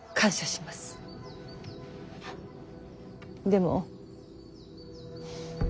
でも。